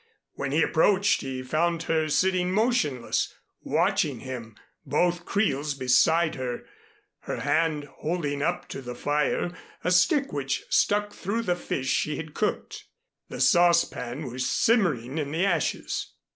When he approached he found her sitting motionless, watching him, both creels beside her, her hand holding up to the fire a stick which stuck through the fish she had cooked. The saucepan was simmering in the ashes.